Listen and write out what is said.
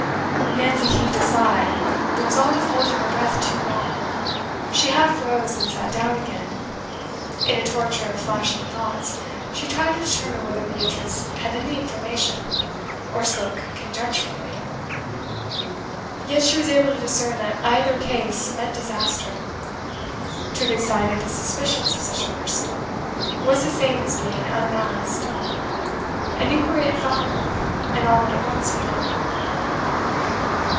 Nancy heaved a sigh, the result of holding her breath too long. She half rose, and sat down again. In a torture of flashing thoughts, she tried to determine whether Beatrice had any information, or spoke conjecturally. Yet she was able to discern that either case meant disaster; to have excited the suspicions of such a person, was the same as being unmasked; an inquiry at Falmouth, and all would at once be known.